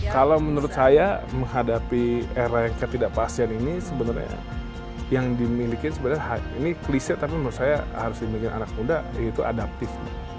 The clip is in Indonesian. kalau menurut saya menghadapi era yang ketidakpastian ini sebenarnya yang dimiliki sebenarnya ini kliset tapi menurut saya harus dimikir anak muda yaitu adaptif